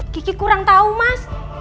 kiki kurang tahu mas